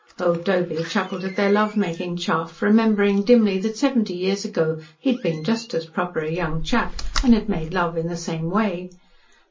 Old Doby chuckled at their love making chaff, remembering dimly that seventy years ago he had been just as proper a young chap, and had made love in the same way.